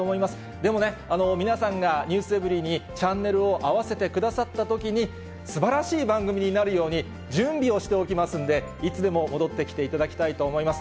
でもね、皆さんがｎｅｗｓｅｖｅｒｙ．にチャンネルを合わせてくださったときに、すばらしい番組になるように準備をしておきますんで、いつでも戻ってきていただきたいと思います。